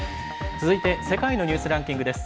続いては「世界のニュースランキング」です。